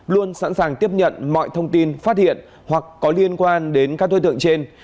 luôn sẵn sàng tiếp nhận mọi thông tin phát hiện hoặc có liên quan đến các đối tượng trên